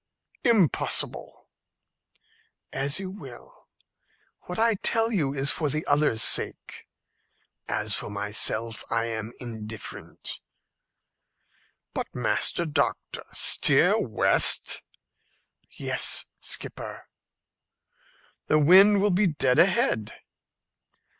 "Impossible." "As you will. What I tell you is for the others' sake. As for myself, I am indifferent." "But, Master Doctor, steer west?" "Yes, skipper." "The wind will be dead ahead."